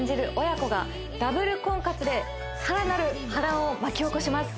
親子がダブル婚活でさらなる波乱を巻き起こします